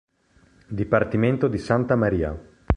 Dipartimento di Santa María